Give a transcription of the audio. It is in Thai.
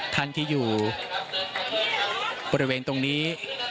ท่านที่อยู่บริเวณตรงนี้